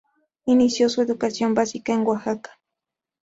Inició su educación básica en Oaxaca.